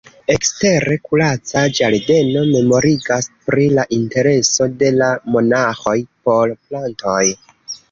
Ekstere, kuraca ĝardeno memorigas pri la intereso de la monaĥoj por plantoj.